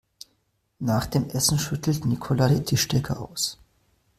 Nach dem Essen schüttelt Nicola die Tischdecke aus.